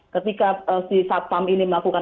ketika si satpam ini melakukan